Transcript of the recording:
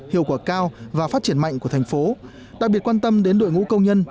hiệu quả cao và phát triển mạnh của thành phố đặc biệt quan tâm đến đội ngũ công nhân